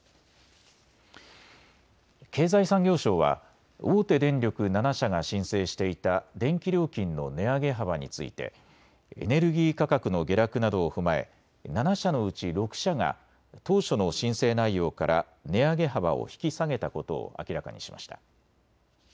経済産業省は大手電力７社が申請していた電気料金の値上げ幅についてエネルギー価格の下落などを踏まえ７社のうち６社が当初の申請内容から値上げ幅を引き下げたことを明らかにしました。